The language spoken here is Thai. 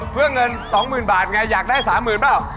เพื่อเงิน๒๐๐๐บาทไงอยากได้๓๐๐๐เปล่า